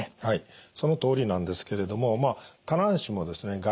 はいそのとおりなんですけれどもまあ必ずしもですね